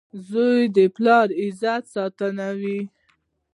• زوی د پلار د عزت ستن وي.